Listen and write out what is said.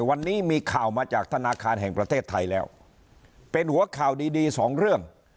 วันนี้มีข่าวมาจากธนาคารแห่งประเทศไทยแล้วเป็นหัวข่าวดีดีสองเรื่อง